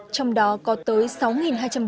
trong đó có tới sáu hai trăm linh vụ án giết người